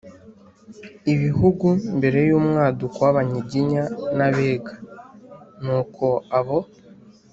"ibihugu" mbere y'umwaduko w'abanyiginya n'abega, ni uko abo